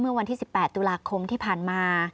เมื่อวันที่๑๘ตุลาคมที่ผ่านมา